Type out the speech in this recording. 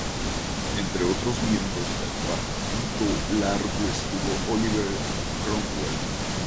Entre otros miembros del Parlamento largo estuvo Oliver Cromwell.